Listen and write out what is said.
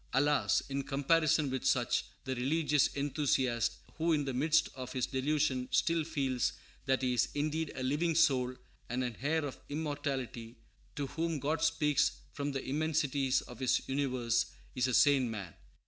Alas! in comparison with such, the religious enthusiast, who in the midst of his delusion still feels that he is indeed a living soul and an heir of immortality, to whom God speaks from the immensities of His universe, is a sane man.